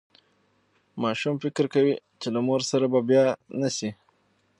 ماشوم فکر کوي چې له مور سره به بیا نه شي.